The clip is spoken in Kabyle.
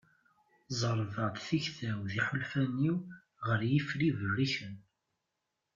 Ẓerrbeɣ-d tikta-w d yiḥulfan-iw ɣer yifri berriken.